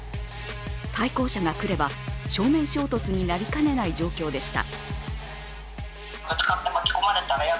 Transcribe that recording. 対向車が来れば正面衝突になりかねない状況でした。